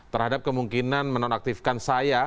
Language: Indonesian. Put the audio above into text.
terhadap kemungkinan menonaktifkan saya